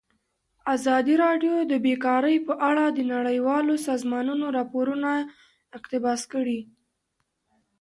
ازادي راډیو د بیکاري په اړه د نړیوالو سازمانونو راپورونه اقتباس کړي.